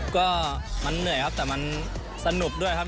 ก็มันเหนื่อยครับแต่มันสนุกด้วยครับ